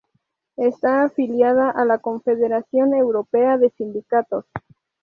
Está afiliada a la Confederación Europea de Sindicatos.